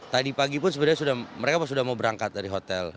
tadi pagi pun sebenarnya mereka sudah mau berangkat dari hotel